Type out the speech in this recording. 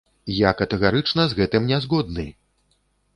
Я катэгарычна з гэтым не згодны.